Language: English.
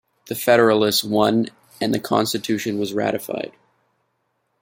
The Federalists won and the Constitution was ratified.